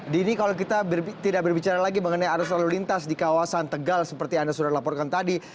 dini kalau kita tidak berbicara lagi mengenai arus lalu lintas di kawasan tegal seperti anda sudah laporkan tadi